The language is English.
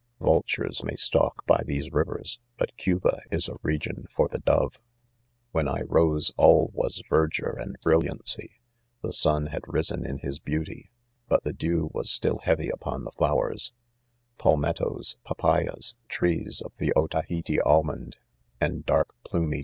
Vultures .may stalk hy these rivers, but Cuba is a region for the dove; ( l5 ) 4 When I rose all Was verdure and brilliancy. 'The sun had . risen in his , beauty, but the dew ■%vas still heavy upon, the .flowers, Palmettos 5 papayas, trees of the Ota he ite almond, and dark plumy